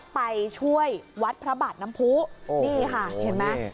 ไปช่วยวัดพระบาทน้ำผู้นี่ค่ะเห็นไหม